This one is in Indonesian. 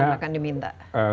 kapan akan diminta